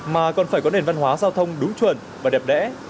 mà còn phải có nền văn hóa giao thông đúng chuẩn và đẹp đẽ trong mắt mỗi người